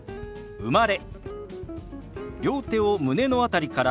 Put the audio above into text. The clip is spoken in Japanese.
「生まれ」。